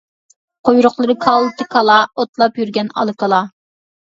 قۇيرۇقلىرى كالتە كالا، ئوتلاپ يۈرگەن ئالا كالا.